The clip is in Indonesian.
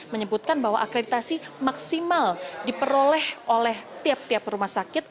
menyebutkan bahwa akreditasi maksimal diperoleh oleh tiap tiap rumah sakit